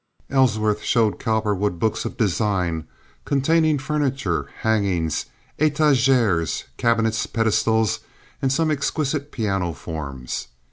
Ellsworth showed Cowperwood books of designs containing furniture, hangings, etageres, cabinets, pedestals, and some exquisite piano forms.